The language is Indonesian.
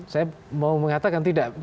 saya mau mengatakan tidak